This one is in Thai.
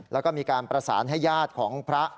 แล้วก็มีการประสานให้ญาติของพระ